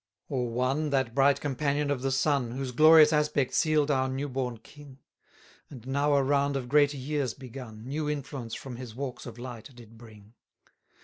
18 Or one, that bright companion of the sun, Whose glorious aspect seal'd our new born king; And now a round of greater years begun, New influence from his walks of light did bring.